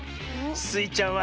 スイちゃんは。